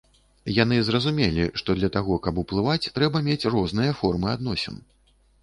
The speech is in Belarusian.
Яны зразумелі, што для таго, каб уплываць, трэба мець розныя формы адносін.